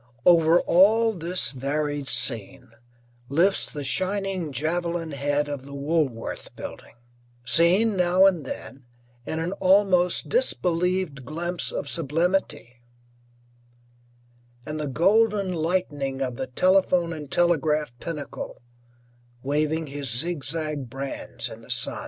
Over all this varied scene lifts the shining javelin head of the Woolworth Building, seen now and then in an almost disbelieved glimpse of sublimity; and the golden Lightning of the Telephone and Telegraph pinnacle, waving his zigzag brands in the sun.